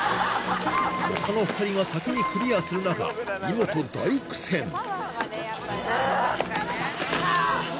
他の２人が先にクリアする中イモト大苦戦うぅあぁ！